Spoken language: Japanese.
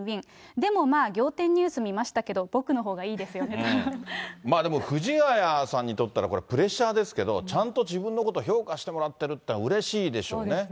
でも、まあ、仰天ニュース見ましたけど、僕のまあでも、藤ヶ谷さんにとったら、これ、プレッシャーですけど、ちゃんと自分のこと評価してもらってるっていうのはうれしいでしょうね。